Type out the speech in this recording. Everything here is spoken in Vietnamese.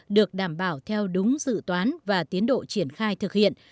được đảm bảo theo đúng dự toán và tiến độ triển khai thực hiện